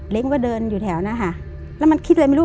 มันก็เดินอยู่แถวนะคะแล้วมันคิดอะไรไม่รู้